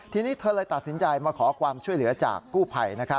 ทีนี้เธอเลยตัดสินใจมาขอความช่วยเหลือจากกู้ภัย